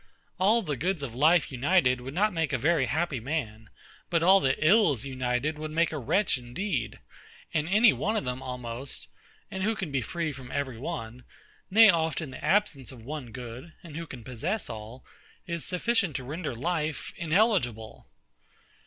All the goods of life united would not make a very happy man; but all the ills united would make a wretch indeed; and any one of them almost (and who can be free from every one?) nay often the absence of one good (and who can possess all?) is sufficient to render life ineligible.